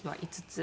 ５つ？